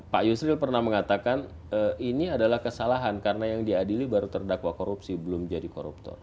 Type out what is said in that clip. pak yusril pernah mengatakan ini adalah kesalahan karena yang diadili baru terdakwa korupsi belum jadi koruptor